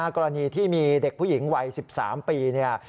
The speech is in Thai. กรณีที่มีเด็กผู้หญิงวัย๑๓ปีเนี่ย